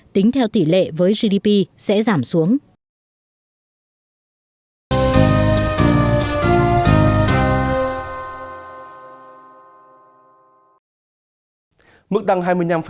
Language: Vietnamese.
tính theo tỷ lệ với gdp sẽ giảm xuống